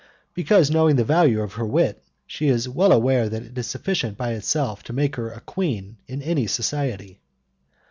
Because, knowing the value of her wit, she is well aware that it is sufficient by itself to make her a queen in any society.